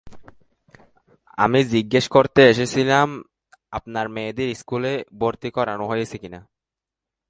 আমি জিজ্ঞেস করতে এসেছিলাম আপনার মেয়েদের স্কুলে ভর্তি করা হয়েছে কি না?